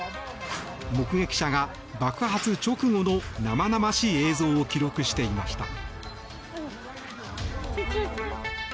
目撃者が、爆発直後の生々しい映像を記録していました。